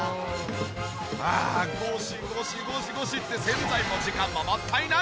ああゴシゴシゴシゴシって洗剤も時間ももったいない！